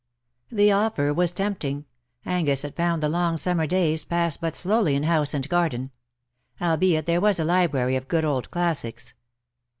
The offer was tempting — Angus had found the long summer days pass but slowly in house and garden — albeit there was a library of good old classics.